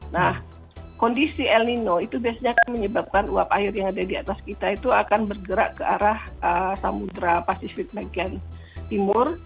nah kondisi el nino itu biasanya akan menyebabkan uap air yang ada di atas kita itu akan bergerak ke arah samudera pasifik bagian timur